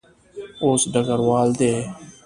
اوس ډګروال دی.